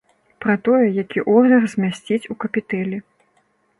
Пра тое, які ордар змясціць у капітэлі.